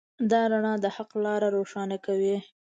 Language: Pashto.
دا رڼا د حق لاره روښانه کوي.